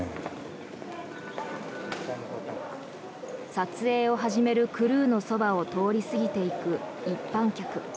撮影を始めるクルーのそばを通り過ぎていく一般客。